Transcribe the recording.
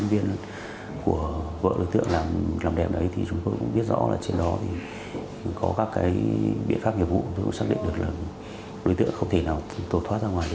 diện pháp liên kết